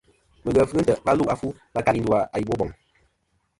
Mɨghef ghɨ ntè' va lu a fu va kali ndu a i Boboŋ.